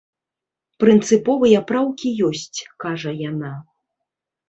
Прынцыповыя праўкі ёсць, кажа яна.